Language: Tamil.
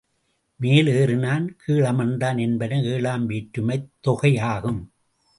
மேல் ஏறினான், கீழ் அமர்ந்தான் என்பன ஏழாம் வேற்றுமைத் தொகையாகும்.